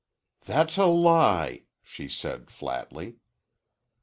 "That's a lie," she said flatly.